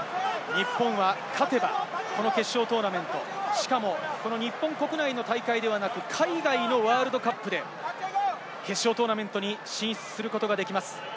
日本は勝てばこの決勝トーナメント、しかも、日本国内の大会ではなく海外のワールドカップで決勝トーナメントに進出することができます。